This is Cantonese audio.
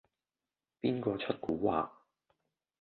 邊個出蠱惑